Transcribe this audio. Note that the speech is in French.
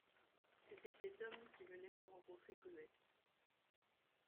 C’était cet homme qui venait de rencontrer Cosette.